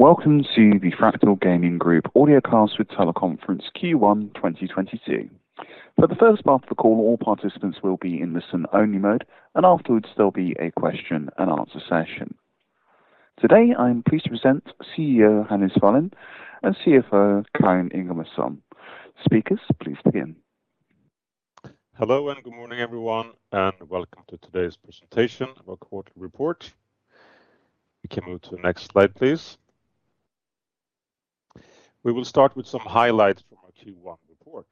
Welcome to the Fractal Gaming Group audio cast with teleconference Q1 2022. For the first part of the call, all participants will be in listen-only mode, and afterwards, there'll be a question and answer session. Today, I am pleased to present CEO Hannes Wallin and CFO Karin Ingemarson. Speakers, please begin. Hello, and good morning, everyone, and welcome to today's presentation of our quarter report. We can move to the next slide, please. We will start with some highlights from our Q1 report.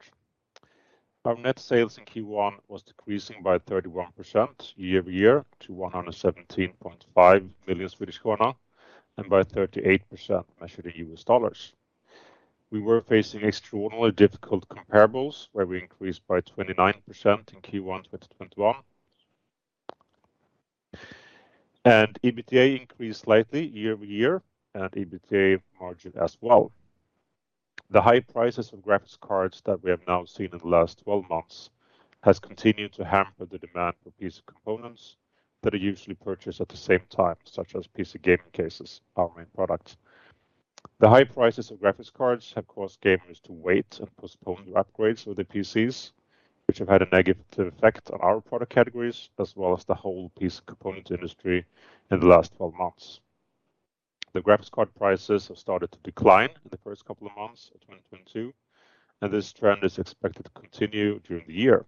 Our net sales in Q1 was decreasing by 31% year-over-year to 117.5 million Swedish krona and by 38% measured in US dollars. We were facing extraordinary difficult comparables, where we increased by 29% in Q1 2021. EBITDA increased slightly year-over-year and EBITDA margin as well. The high prices of graphics cards that we have now seen in the last 12 months has continued to hamper the demand for PC components that are usually purchased at the same time, such as PC gaming cases, our main product. The high prices of graphics cards have caused gamers to wait and postpone their upgrades of their PCs, which have had a negative effect on our product categories, as well as the whole PC component industry in the last 12 months. The graphics card prices have started to decline in the first couple of months of 2022, and this trend is expected to continue during the year.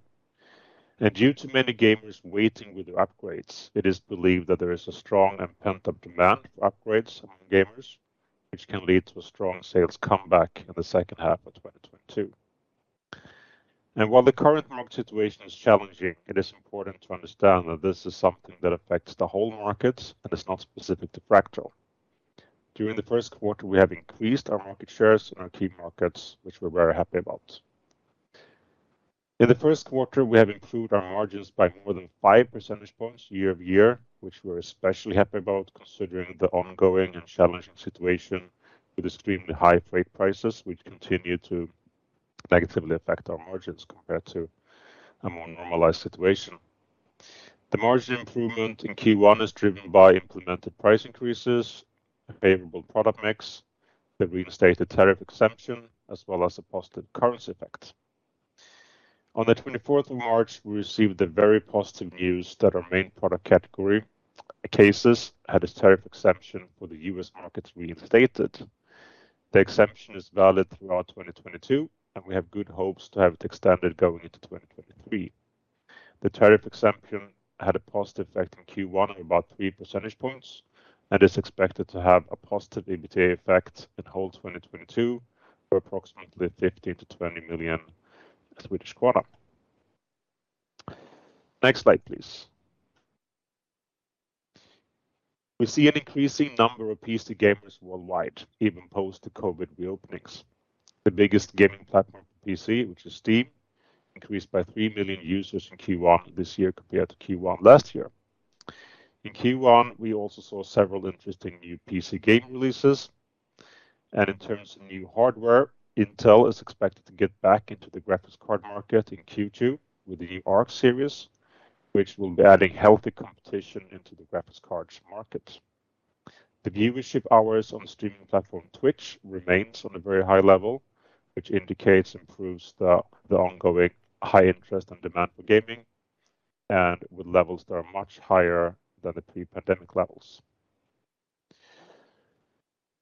Due to many gamers waiting with their upgrades, it is believed that there is a strong and pent-up demand for upgrades among gamers, which can lead to a strong sales comeback in the second half of 2022. While the current market situation is challenging, it is important to understand that this is something that affects the whole market, and is not specific to Fractal. During the first quarter, we have increased our market shares in our key markets, which we're very happy about. In the first quarter, we have improved our margins by more than five percentage points year-over-year, which we're especially happy about considering the ongoing and challenging situation with extremely high freight prices, which continue to negatively affect our margins compared to a more normalized situation. The margin improvement in Q1 is driven by implemented price increases, a favorable product mix, the reinstated tariff exemption, as well as a positive currency effect. On the twenty fourth of March, we received the very positive news that our main product category, cases, had its tariff exemption for the U.S. market reinstated. The exemption is valid throughout 2022, and we have good hopes to have it extended going into 2023. The tariff exemption had a positive effect in Q1 of about three percentage points and is expected to have a positive EBITDA effect in 2022 for approximately 15 million-20 million Swedish kronor. Next slide, please. We see an increasing number of PC gamers worldwide, even post the COVID reopenings. The biggest gaming platform for PC, which is Steam, increased by three million users in Q1 this year compared to Q1 last year. In Q1, we also saw several interesting new PC game releases. In terms of new hardware, Intel is expected to get back into the graphics card market in Q2 with the new Arc series, which will be adding healthy competition into the graphics cards market. The viewership hours on the streaming platform Twitch, remains on a very high level, which indicates and proves the ongoing high interest, and demand for gaming and with levels that are much higher than the pre-pandemic levels.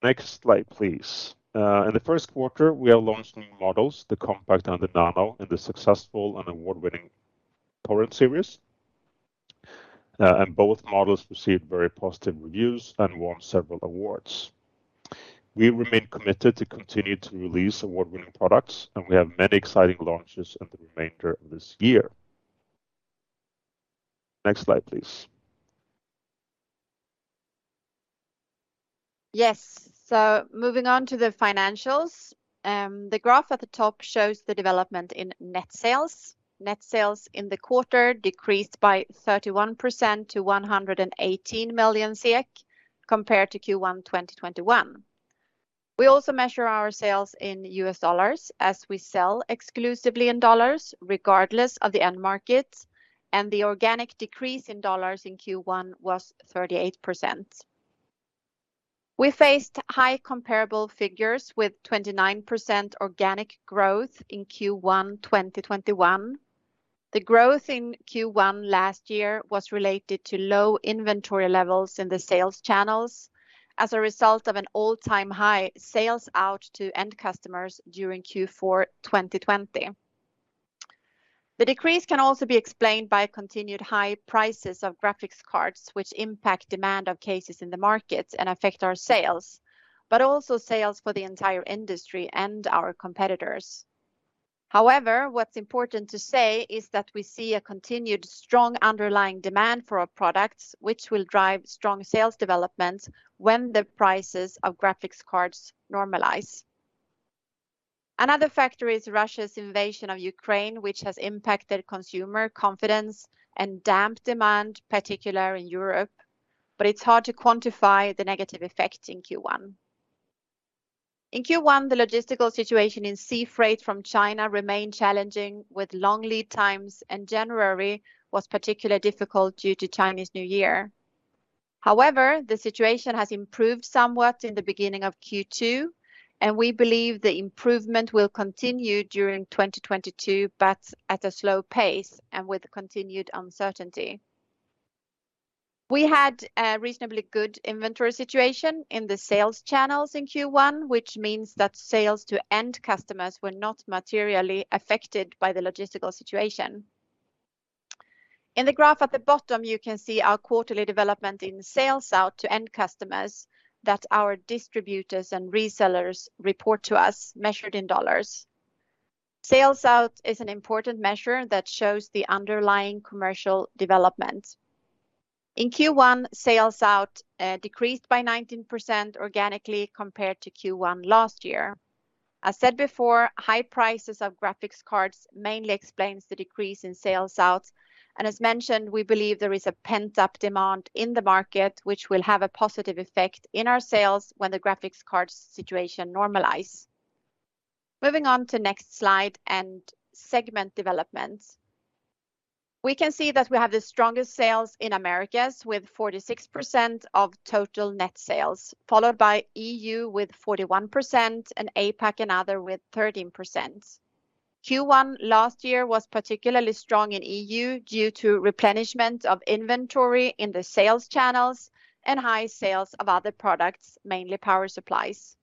Next slide, please. In the first quarter, we have launched new models, the Compact and the Nano, in the successful and award-winning Torrent series. Both models received very positive reviews and won several awards. We remain committed to continue to release award-winning products, and we have many exciting launches in the remainder of this year. Next slide, please. Yes. Moving on to the financials. The graph at the top shows the development in net sales. Net sales in the quarter decreased by 31% to 118 million compared to Q1 2021. We also measure our sales in US dollars, as we sell exclusively in dollars regardless of the end market, and the organic decrease in dollars in Q1 was 38%. We faced high comparable figures with 29% organic growth in Q1 2021. The growth in Q1 last year was related to low inventory levels in the sales channels as a result of an all-time high sales out to end customers during Q4 2020. The decrease can also be explained by continued high prices of graphics cards, which impact demand of cases in the market and affect our sales, but also sales for the entire industry and our competitors. However, what's important to say is that we see a continued strong underlying demand for our products, which will drive strong sales development when the prices of graphics cards normalize. Another factor is Russia's invasion of Ukraine, which has impacted consumer confidence and dampened demand, particularly in Europe, but it's hard to quantify the negative effect in Q1. In Q1, the logistical situation in sea freight from China remained challenging with long lead times, and January was particularly difficult due to Chinese New Year. However, the situation has improved somewhat in the beginning of Q2, and we believe the improvement will continue during 2022, but at a slow pace and with continued uncertainty. We had a reasonably good inventory situation, in the sales channels in Q1, which means that sales to end customers were not materially affected by the logistical situation. In the graph at the bottom, you can see our quarterly development in sales out to end customers that our distributors and resellers report to us measured in dollars. Sales out is an important measure that shows the underlying commercial development. In Q1, sales out decreased by 19% organically compared to Q1 last year. As said before, high prices of graphics cards mainly explains the decrease in sales out. As mentioned, we believe there is a pent-up demand in the market, which will have a positive effect in our sales when the graphics card situation normalize. Moving on to next slide and segment development. We can see that we have the strongest sales in Americas with 46% of total net sales, followed by EU with 41% and APAC and other with 13%. Q1 last year was particularly strong in EU due to replenishment of inventory in the sales channels and high sales of other products, mainly power supplies.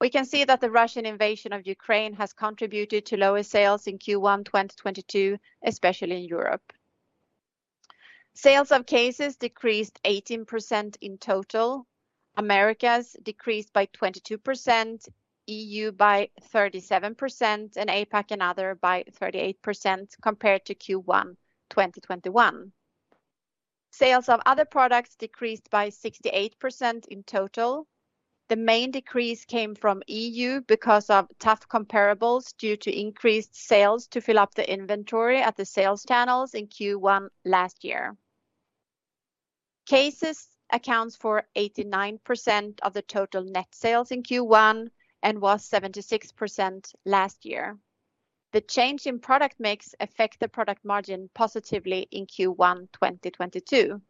We can see that the Russian invasion of Ukraine has contributed to lower sales in Q1 2022, especially in Europe. Sales of cases decreased 18% in total. Americas decreased by 22%, EU by 37%, and APAC and other by 38% compared to Q1 2021. Sales of other products decreased by 68% in total. The main decrease came from EU because of tough comparables, due to increased sales to fill up the inventory at the sales channels in Q1 last year. Cases accounts for 89% of the total net sales in Q1 and was 76% last year. The change in product mix affect the product margin positively in Q1 2022.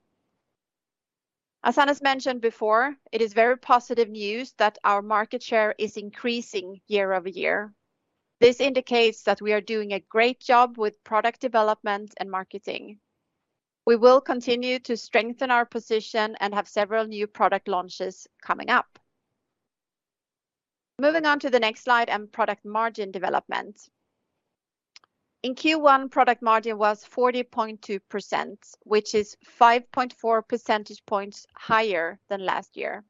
As Hannes mentioned before, it is very positive news that our market share is increasing year-over-year. This indicates that we are doing a great job with product development and marketing. We will continue to strengthen our position, and have several new product launches coming up. Moving on to the next slide and product margin development. In Q1, product margin was 40.2%, which is 5.4 percentage points higher than last year.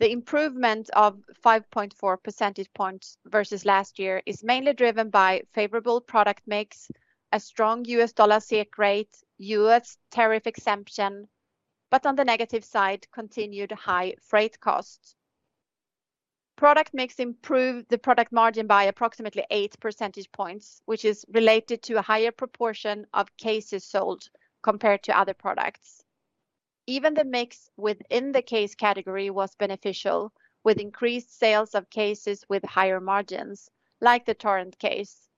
The improvement of 5.4 percentage points versus last year is mainly driven by favorable product mix, a strong US dollar SEK rate, US tariff exemption, but on the negative side, continued high freight costs. Product mix improved the product margin by approximately eight percentage points, which is related to a higher proportion of cases sold compared to other products. Even the mix within the case category was beneficial, with increased sales of cases with higher margins, like the Torrent case.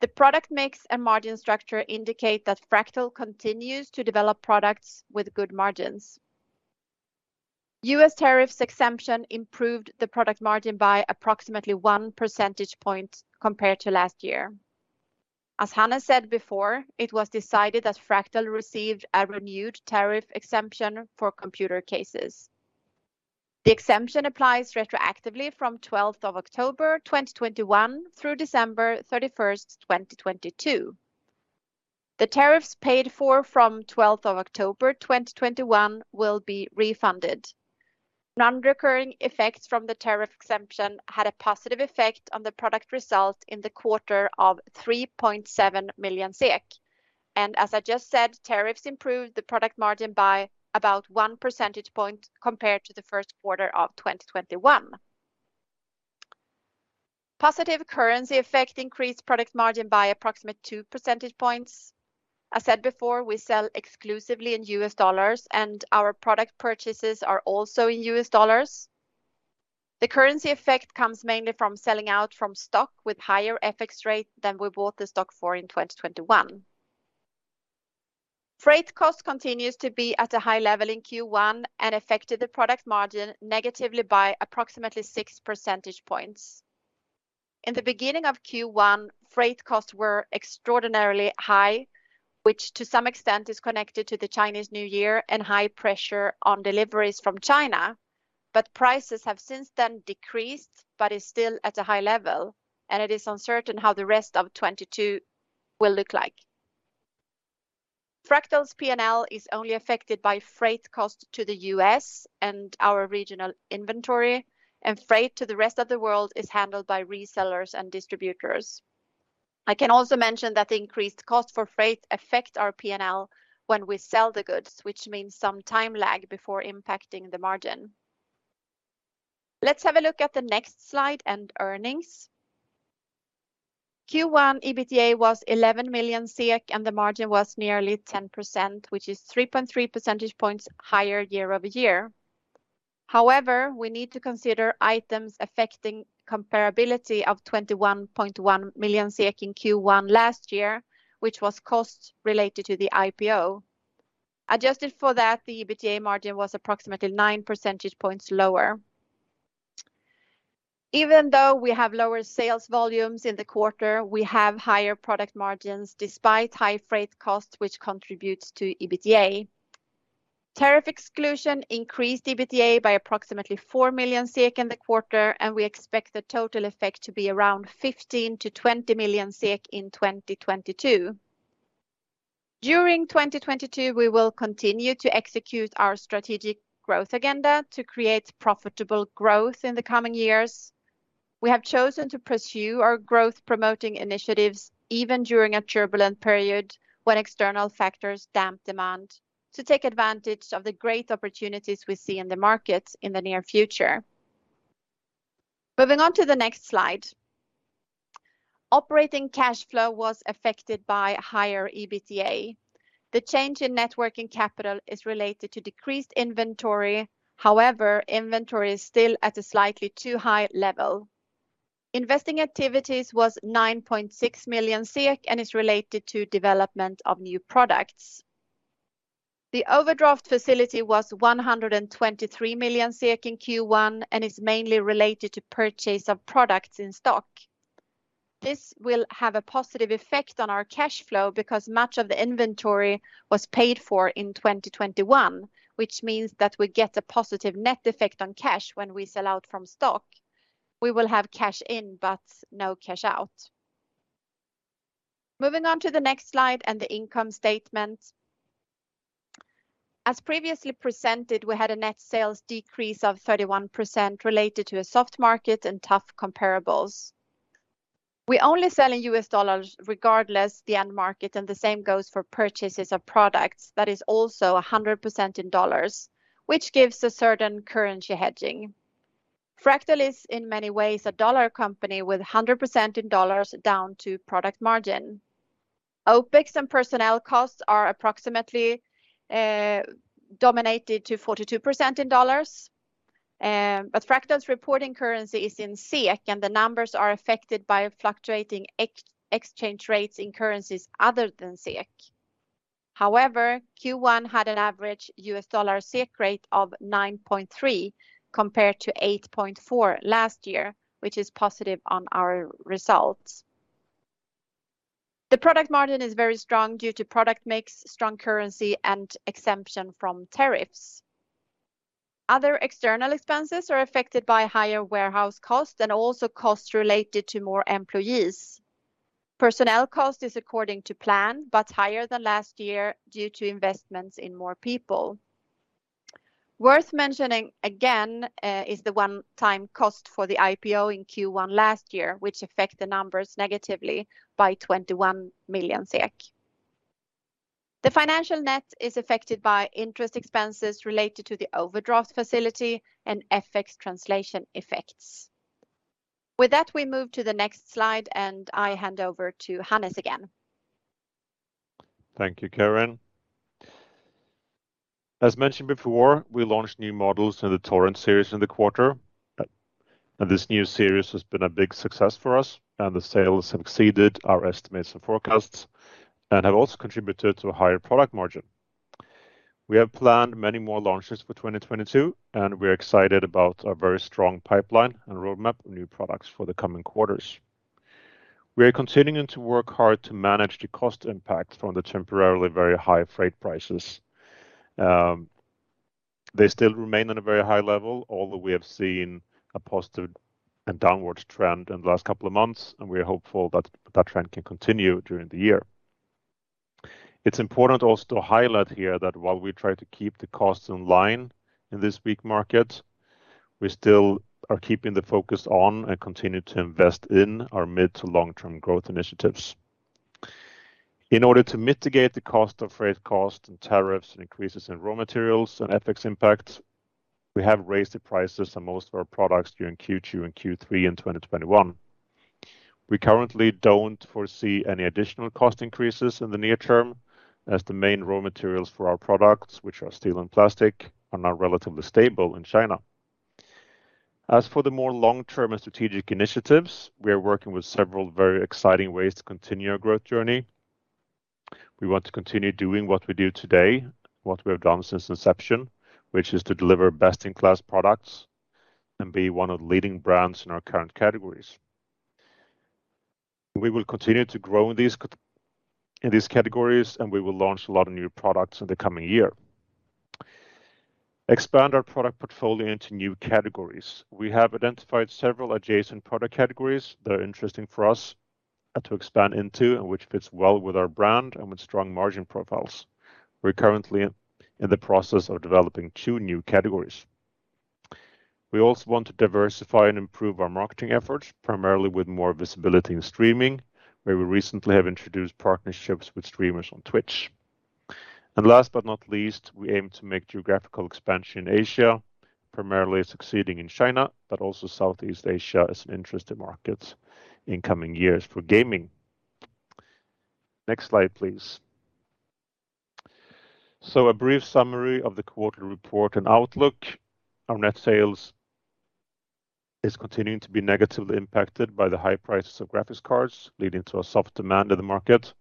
The product mix and margin structure indicate that Fractal continues to develop products with good margins. U.S. tariff exemption improved the product margin by approximately one percentage point compared to last year. As Hannes said before, it was decided that Fractal received a renewed tariff exemption for computer cases. The exemption applies retroactively from 12th of October 2021 through December 31st, 2022. The tariffs paid for from 12th of October 2021 will be refunded. Non-recurring effects from the tariff exemption had a positive effect on the product result in the quarter of 3.7 million SEK. As I just said, tariffs improved the product margin by about one percentage point compared to the first quarter of 2021. Positive currency effect increased product margin by approximately two percentage points. As said before, we sell exclusively in US dollars, and our product purchases are also in US dollars. The currency effect comes mainly from sales out of stock with higher FX rate than we bought the stock for in 2021. Freight cost continues to be at a high level in Q1 and affected the product margin negatively by approximately six percentage points. In the beginning of Q1, freight costs were extraordinarily high, which to some extent is connected to the Chinese New Year and high pressure on deliveries from China. Prices have since then decreased, but is still at a high level, and it is uncertain how the rest of 2022 will look like. Fractal's P&L is only affected by freight cost to the US, and our regional inventory, and freight to the rest of the world is handled by resellers and distributors. I can also mention that increased cost for freight affect our P&L when we sell the goods, which means some time lag before impacting the margin. Let's have a look at the next slide and earnings. Q1 EBITDA was 11 million and the margin was nearly 10%, which is 3.3 percentage points higher year-over-year. However, we need to consider items affecting comparability of 21.1 million in Q1 last year, which was costs related to the IPO. Adjusted for that, the EBITDA margin was approximately nine percentage points lower. Even though we have lower sales volumes in the quarter, we have higher product margins despite high freight costs which contributes to EBITDA. Tariff exclusion increased EBITDA by approximately 4 million SEK in the quarter, and we expect the total effect to be around 15 million-20 million SEK in 2022. During 2022, we will continue to execute our strategic growth agenda to create profitable growth in the coming years. We have chosen to pursue our growth promoting initiatives, even during a turbulent period when external factors damp demand, to take advantage of the great opportunities we see in the market in the near future. Moving on to the next slide. Operating cash flow was affected by higher EBITDA. The change in net working capital is related to decreased inventory. However, inventory is still at a slightly too high level. Investing activities was 9.6 million and is related to development of new products. The overdraft facility was 123 million in Q1 and is mainly related to purchase of products in stock. This will have a positive effect on our cash flow, because much of the inventory was paid for in 2021, which means that we get a positive net effect on cash when we sell out from stock. We will have cash in but no cash out. Moving on to the next slide and the income statement. As previously presented, we had a net sales decrease of 31% related to a soft market and tough comparables. We only sell in US dollars regardless the end market and the same goes for purchases of products that is also 100% in dollars, which gives a certain currency hedging. Fractal is in many ways a dollar company with 100% in dollars down to product margin. OPEX and personnel costs are approximately amounted to 42% in dollars. Fractal's reporting currency is in SEK, and the numbers are affected by fluctuating exchange rates in currencies other than SEK. However, Q1 had an average US dollar/SEK rate of 9.3 compared to 8.4 last year, which is positive on our results. The product margin is very strong due to product mix, strong currency, and exemption from tariffs. Other external expenses are affected by higher warehouse costs, and also costs related to more employees. Personnel cost is according to plan, but higher than last year due to investments in more people. Worth mentioning again, is the one-time cost for the IPO in Q1 last year, which affect the numbers negatively by 21 million SEK. The financial net is affected by interest expenses related to the overdraft facility and FX translation effects. With that, we move to the next slide, and I hand over to Hannes again. Thank you, Karin. As mentioned before, we launched new models in the Torrent series in the quarter, and this new series has been a big success for us and the sales have exceeded our estimates and forecasts and have also contributed to a higher product margin. We have planned many more launches for 2022, and we're excited about our very strong pipeline and roadmap of new products for the coming quarters. We are continuing to work hard to manage the cost impact from the temporarily very high freight prices. They still remain on a very high level, although we have seen a positive and downwards trend in the last couple of months, and we are hopeful that that trend can continue during the year. It's important also to highlight here that while we try to keep the costs in line in this weak market, we still are keeping the focus on and continue to invest in our mid- to long-term growth initiatives. In order to mitigate the cost of freight costs, and tariffs and increases in raw materials and FX impact, we have raised the prices on most of our products during Q2 and Q3 in 2021. We currently don't foresee any additional cost increases in the near term as the main raw materials for our products, which are steel and plastic, are now relatively stable in China. As for the more long-term and strategic initiatives, we are working with several very exciting ways to continue our growth journey. We want to continue doing what we do today, what we have done since inception, which is to deliver best-in-class products and be one of the leading brands in our current categories. We will continue to grow in these categories, and we will launch a lot of new products in the coming year. Expand our product portfolio into new categories. We have identified several adjacent product categories that are interesting for us, to expand into and which fits well with our brand and with strong margin profiles. We're currently in the process of developing two new categories. We also want to diversify and improve our marketing efforts, primarily with more visibility in streaming, where we recently have introduced partnerships with streamers on Twitch. Last but not least, we aim to make geographic expansion in Asia, primarily succeeding in China, but also Southeast Asia is an interesting market in coming years for gaming. Next slide, please. A brief summary of the quarterly report and outlook. Our net sales is continuing to be negatively impacted by the high prices of graphics cards, leading to a soft demand in the market.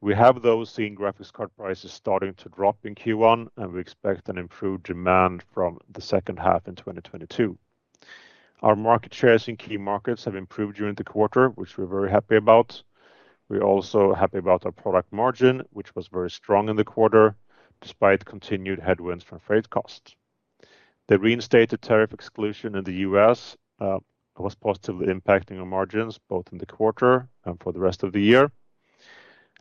We have, though, seen graphics card prices starting to drop in Q1, and we expect an improved demand from the second half in 2022. Our market shares in key markets have improved during the quarter, which we're very happy about. We're also happy about our product margin, which was very strong in the quarter despite continued headwinds from freight costs. The reinstated tariff exclusion in the U.S. was positively impacting our margins, both in the quarter and for the rest of the year.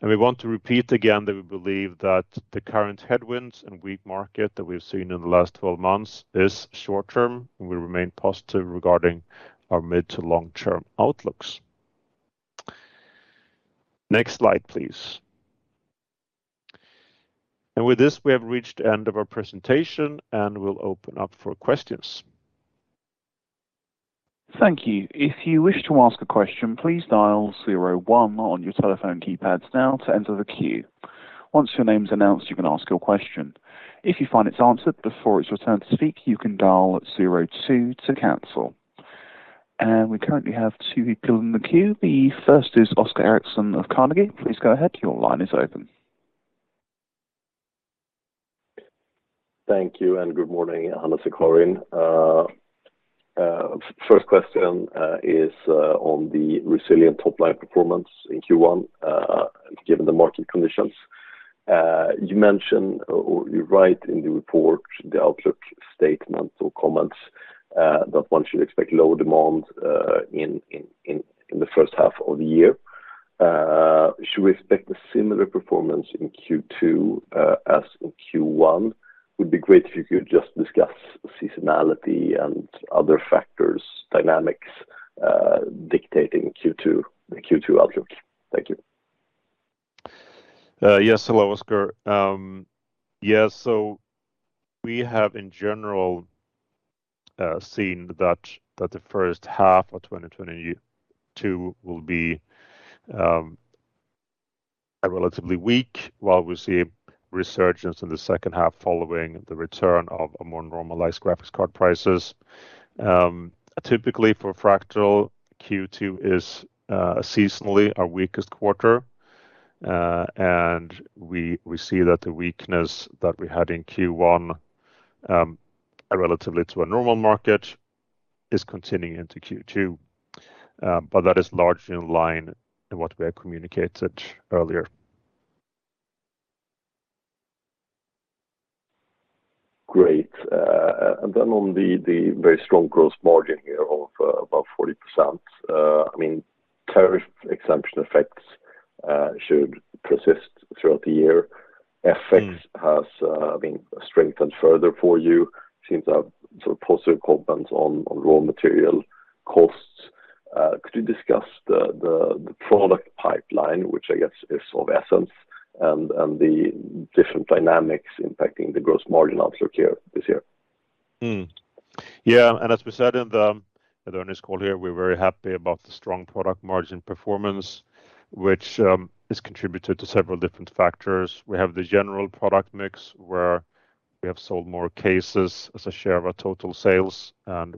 We want to repeat again that we believe that the current headwinds and weak market that we've seen in the last twelve months is short-term, and we remain positive regarding our mid to long-term outlooks. Next slide, please. With this, we have reached the end of our presentation, and we'll open up for questions. Thank you. If you wish to ask a question, please dial zero one on your telephone keypads now to enter the queue. Once your name's announced, you can ask your question. If you find it's answered before it's your turn to speak, you can dial zero two to cancel. We currently have two people in the queue. The first is Oscar Erixon of Carnegie. Please go ahead. Your line is open. Thank you and good morning, Hannes and Karin. First question is on the resilient top line performance in Q1, given the market conditions. You mention or you write in the report, the outlook statement or comments, that one should expect low demand in the first half of the year. Should we expect a similar performance in Q2, as in Q1? Would be great if you could just discuss seasonality and other factors, dynamics dictating Q2, the Q2 outlook. Thank you. Yes. Hello, Oscar. We have in general seen that the first half of 2022 will be relatively weak, while we see a resurgence in the second half following the return of a more normalized graphics card prices. Typically for Fractal, Q2 is seasonally our weakest quarter. We see that the weakness that we had in Q1 relative to a normal market is continuing into Q2. That is largely in line with what we have communicated earlier. Great. On the very strong gross margin here of about 40%. I mean, tariff exemption effects should persist throughout the year. Mm. FX has been strengthened further for you. Seems a sort of positive component on raw material costs. Could you discuss the product pipeline, which I guess is of essence, and the different dynamics impacting the gross margin outlook here this year? As we said in the earnings call here, we're very happy about the strong product margin performance, which is contributed to several different factors. We have the general product mix, where we have sold more cases as a share of our total sales, and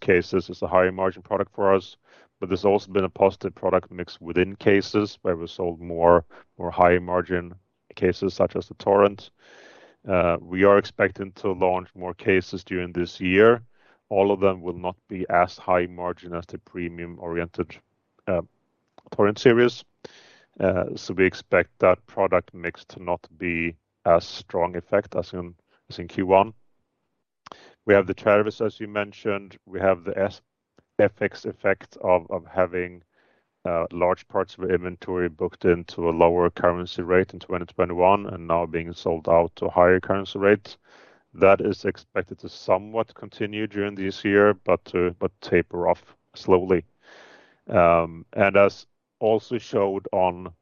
cases are a higher margin product for us. There's also been a positive product mix within cases, where we sold more high margin cases such as the Torrent. We are expecting to launch more cases during this year. All of them will not be as high margin as the premium-oriented Torrent series. We expect that product mix to not be as strong effect as in Q1. We have the tariffs, as you mentioned. We have the FX effect of having large parts of our inventory booked into a lower currency rate in 2021 and now being sold out to higher currency rates. That is expected to somewhat continue during this year, but taper off slowly. As also shown on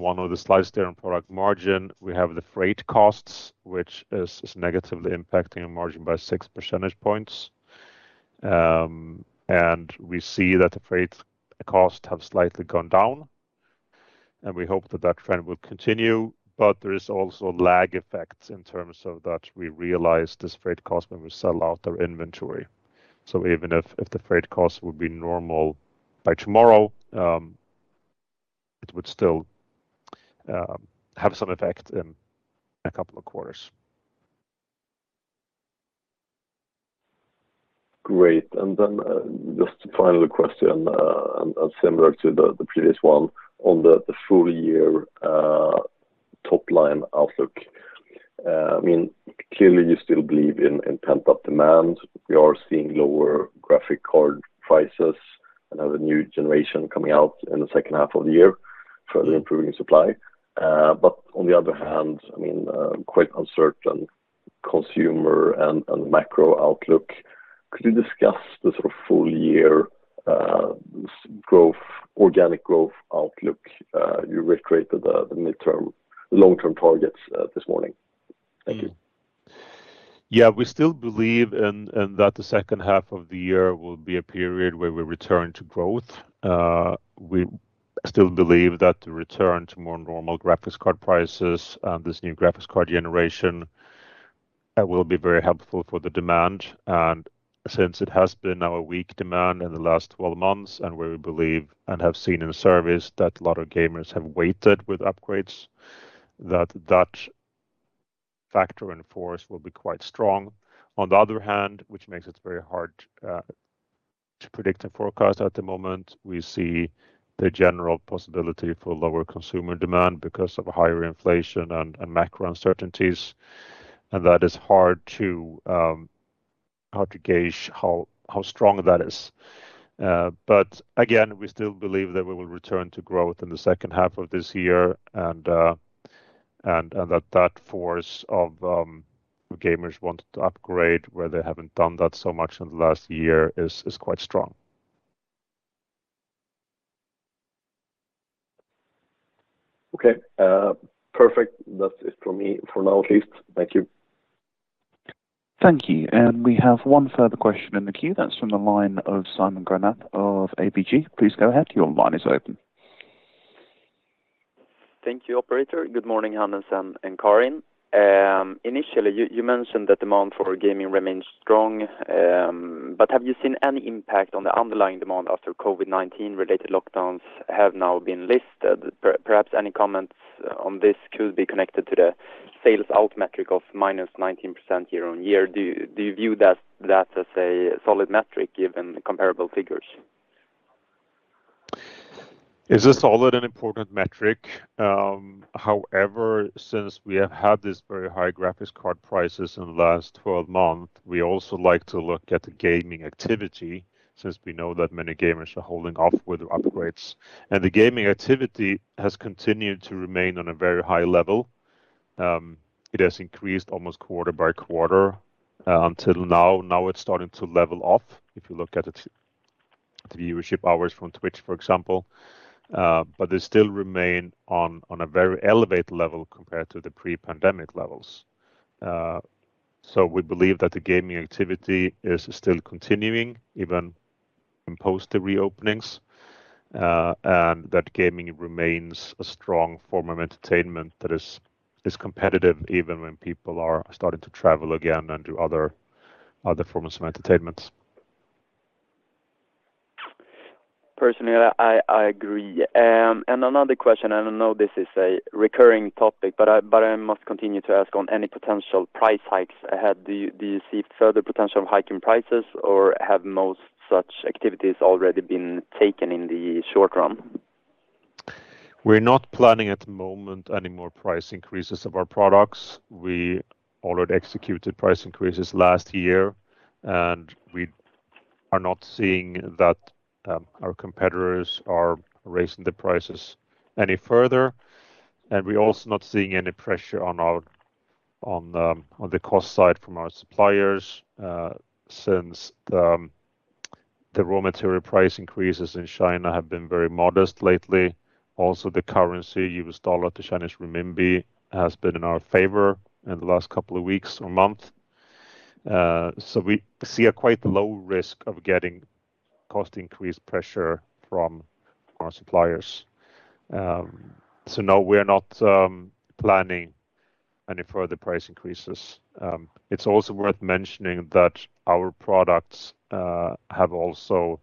one of the slides there on product margin, we have the freight costs, which is negatively impacting our margin by six percentage points. We see that the freight costs have slightly gone down, and we hope that that trend will continue. There is also lag effects in terms of that we realize this freight cost when we sell out our inventory. Even if the freight costs would be normal by tomorrow, it would still have some effect in a couple of quarters. Great. Just final question, and similar to the previous one on the full year top line outlook. I mean, clearly you still believe in pent-up demand. We are seeing lower graphics card prices and have a new generation coming out in the second half of the year. Mm Further improving supply. On the other hand, I mean, quite uncertain consumer and macro outlook. Could you discuss the sort of full year growth, organic growth outlook? You reiterated the midterm, long-term targets this morning. Thank you. Yeah. We still believe in that the second half of the year will be a period where we return to growth. We still believe that the return to more normal graphics card prices and this new graphics card generation will be very helpful for the demand. Since it has been our weak demand in the last 12 months, and we believe and have seen in service that a lot of gamers have waited with upgrades, that factor and force will be quite strong. On the other hand, which makes it very hard to predict and forecast at the moment, we see the general possibility for lower consumer demand because of higher inflation and macro uncertainties, and that is hard to gauge how strong that is. Again, we still believe that we will return to growth in the second half of this year and that force of gamers wanting to upgrade where they haven't done that so much in the last year is quite strong. Okay. Perfect. That's it for me, for now at least. Thank you. Thank you. We have one further question in the queue. That's from the line of Simon Granath of ABG. Please go ahead. Your line is open. Thank you, operator. Good morning, Hannes and Karin. Initially, you mentioned that demand for gaming remains strong. Have you seen any impact on the underlying demand after COVID-19-related lockdowns have now been lifted? Perhaps any comments on this could be connected to the sales out metric of -19% year-over-year. Do you view that as a solid metric given comparable figures? It's a solid and important metric. However, since we have had these very high graphics card prices in the last 12 months, we also like to look at the gaming activity since we know that many gamers are holding off with upgrades. The gaming activity has continued to remain on a very high level. It has increased almost quarter by quarter, until now. Now it's starting to level off, if you look at the viewership hours from Twitch, for example. But they still remain on a very elevated level compared to the pre-pandemic levels. So we believe that the gaming activity is still continuing even in post the reopenings, and that gaming remains a strong form of entertainment that is competitive even when people are starting to travel again and do other forms of entertainment. Personally, I agree. Another question, and I know this is a recurring topic, but I must continue to ask on any potential price hikes ahead. Do you see further potential of hiking prices or have most such activities already been taken in the short run? We're not planning at the moment any more price increases of our products. We already executed price increases last year, and we are not seeing that our competitors are raising the prices any further, and we're also not seeing any pressure on the cost side from our suppliers, since the raw material price increases in China have been very modest lately. Also, the currency, US dollar to Chinese renminbi, has been in our favor in the last couple of weeks or month. We see a quite low risk of getting cost increase pressure from our suppliers. No, we're not planning any further price increases. It's also worth mentioning that our products have also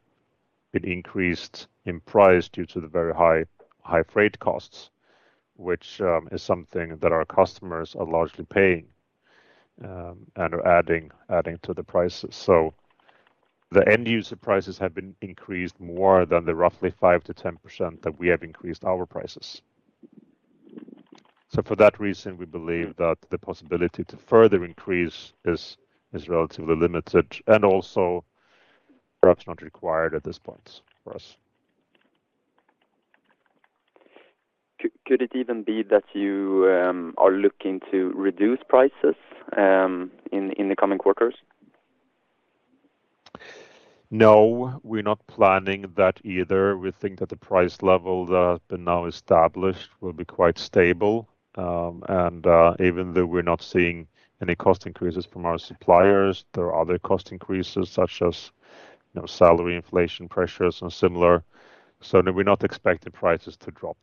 been increased in price due to the very high freight costs, which is something that our customers are largely paying and are adding to the prices. The end user prices have been increased more than the roughly five to ten percent that we have increased our prices. For that reason, we believe that the possibility to further increase is relatively limited and also perhaps not required at this point for us. Could it even be that you are looking to reduce prices in the coming quarters? No, we're not planning that either. We think that the price level that has been now established will be quite stable. Even though we're not seeing any cost increases from our suppliers, there are other cost increases such as, you know, salary inflation pressures and similar, so no, we're not expecting prices to drop.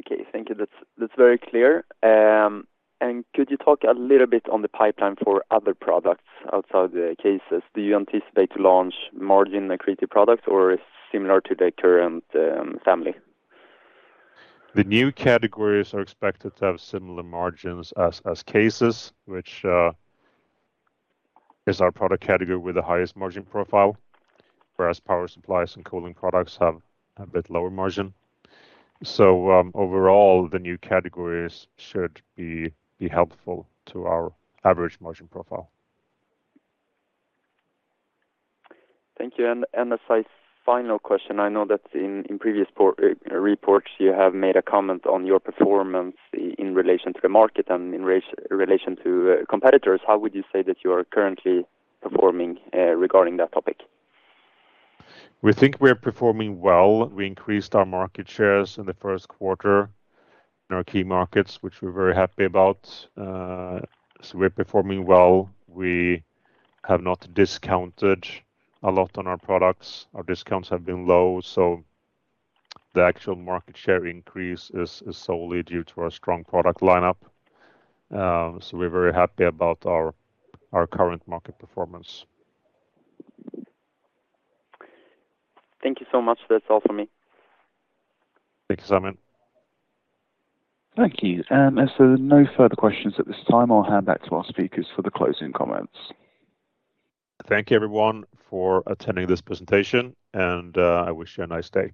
Okay. Thank you. That's very clear. Could you talk a little bit on the pipeline for other products outside the cases? Do you anticipate to launch margin-accretive products or similar to the current family? The new categories are expected to have similar margins as cases, which is our product category with the highest margin profile, whereas power supplies and cooling products have a bit lower margin. Overall, the new categories should be helpful to our average margin profile. Thank you. As my final question, I know that in previous reports, you have made a comment on your performance in relation to the market and in relation to competitors. How would you say that you are currently performing regarding that topic? We think we're performing well. We increased our market shares in the first quarter in our key markets, which we're very happy about. We're performing well. We have not discounted a lot on our products. Our discounts have been low, so the actual market share increase is solely due to our strong product lineup. We're very happy about our current market performance. Thank you so much. That's all for me. Thank you, Simon. Thank you. As there are no further questions at this time, I'll hand back to our speakers for the closing comments. Thank you everyone for attending this presentation, and I wish you a nice day.